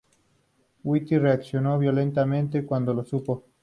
White reaccionó violentamente cuando lo supo.